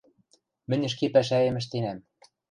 Мӹнь ӹшке пӓшӓэм ӹштенӓм.